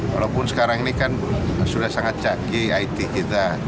walaupun sekarang ini kan sudah sangat canggih it kita